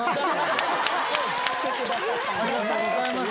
ありがとうございます。